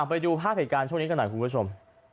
ไปดูภาคเอการณ์ช่วงนี้ขนาดนี้คุณผู้ชม